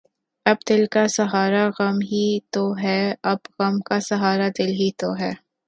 اب دل کا سہارا غم ہی تو ہے اب غم کا سہارا دل ہی تو ہے